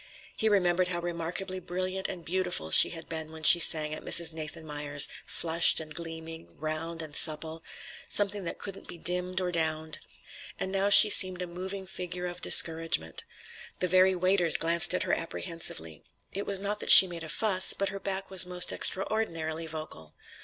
He remembered how remarkably brilliant and beautiful she had been when she sang at Mrs. Nathanmeyer's: flushed and gleaming, round and supple, something that couldn't be dimmed or downed. And now she seemed a moving figure of discouragement. The very waiters glanced at her apprehensively. It was not that she made a fuss, but her back was most extraordinarily vocal.